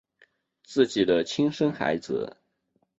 自己的亲生孩子